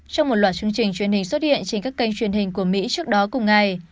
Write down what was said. trong một loạt chương trình truyền hình xuất hiện trên các kênh truyền hình của mỹ trước đó cùng ngày